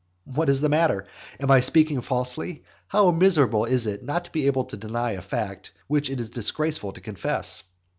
What is the matter? Am I speaking falsely? How miserable is it not to be able to deny a fact which it is disgraceful to confess!